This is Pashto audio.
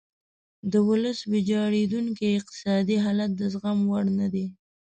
د ولس ویجاړیدونکی اقتصادي حالت د زغم وړ نه دی.